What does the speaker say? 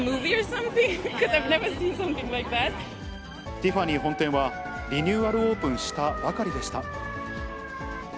ティファニー本店は、リニューアルオープンしたばかりでした。